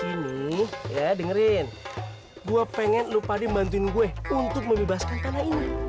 ini ya dengerin gua pengen lu pade bantuin gue untuk membebaskan tanah ini